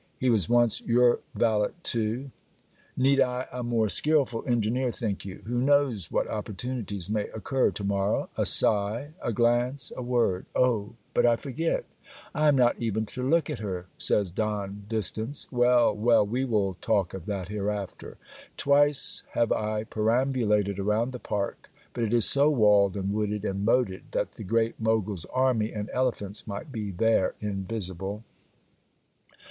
He was once your valet too. Need I a more skilful engineer think you? Who knows what opportunities may occur to morrow? A sigh, a glance, a word Oh, but I forget! I am not even to look at her, says Don Distance. Well! well! we will talk of that hereafter. Twice have I perambulated around the park; but it is so walled and wooded and moated that the great Mogul's army and elephants might be there invisible.